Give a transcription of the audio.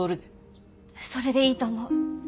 それでいいと思う。